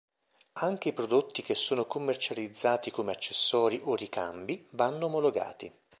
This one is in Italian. Anche i prodotti che sono commercializzati come accessori o ricambi vanno omologati.